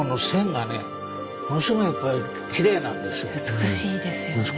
美しいですよね。